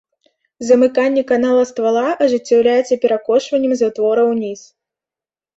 Замыканне канала ствала ажыццяўляецца перакошваннем затвора ўніз.